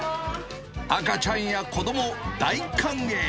赤ちゃんや子ども、大歓迎。